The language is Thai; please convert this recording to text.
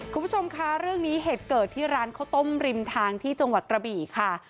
คุณผู้ชมคะเรื่องนี้เหตุเกิดที่ร้านข้าวต้มริมทางที่จังหวัดกระบี่ค่ะ